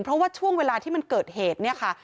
เพราะว่าช่วงเวลาที่มันเกิดเหตุเนี่ยค่ะ